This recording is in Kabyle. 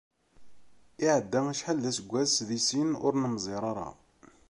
Iɛedda acḥal d aseggas di sin ur nemẓir ara.